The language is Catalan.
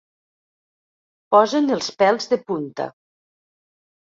Posen els pèls de punta.